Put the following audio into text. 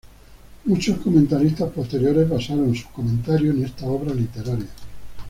Muchos comentaristas posteriores basaron sus comentarios en esta obra literaria.